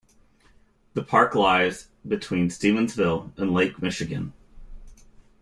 The park lies between Stevensville and Lake Michigan.